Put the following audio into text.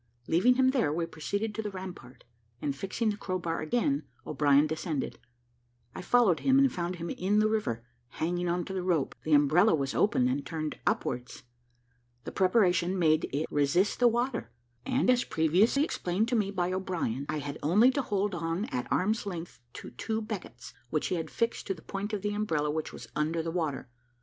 Leaving him there, we proceeded to the rampart, and fixing the crow bar again, O'Brien descended; I followed him, and found him in the river, hanging on to the rope; the umbrella was opened and turned upwards; the preparation made it resist the water, and, as previously explained to me by O'Brien, I had only to hold on at arm's length to two beckets which he had affixed to the point of the umbrella, which was under water.